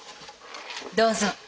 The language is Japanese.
どうぞ。